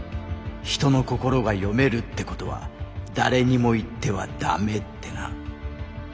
「人の心が読めるってことは誰にも言ってはダメ」ってな。